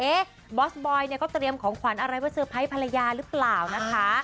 บอสบอยเนี่ยก็เตรียมของขวัญอะไรไว้เซอร์ไพรส์ภรรยาหรือเปล่านะคะ